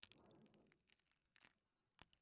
Masahiro Kano